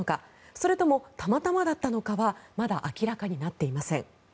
それともたまたまだったのかはまだ明らかになっていません。